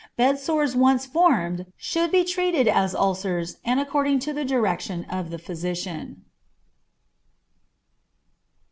Bed sores once formed should be treated as ulcers and according to the direction of the physician.